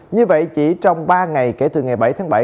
như vậy chỉ trong ba ngày kể từ ngày bảy tháng bảy